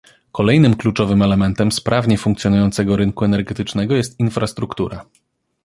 Kolejnym kluczowym elementem sprawnie funkcjonującego rynku energetycznego jest infrastruktura